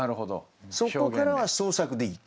そこからは創作でいいと。